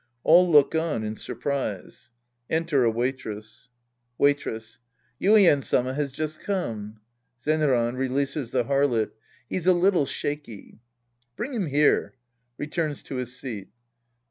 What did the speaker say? {All look on in surprise. Enter a Waitress^ Waitress. Yuien Sama has just come. Zenran {releases the Harlot. He is a little shaky ^ Bring him here. {Returns to his seat.)